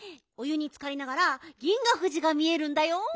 お湯につかりながら銀河富士が見えるんだよ。